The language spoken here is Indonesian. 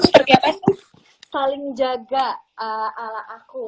tips saling jaga ala aku